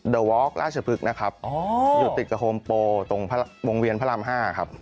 ข้างบัวแห่งสันยินดีต้อนรับทุกท่านนะครับ